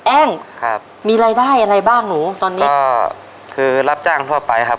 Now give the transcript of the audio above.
แอ้งครับมีรายได้อะไรบ้างหนูตอนนี้ก็คือรับจ้างทั่วไปครับ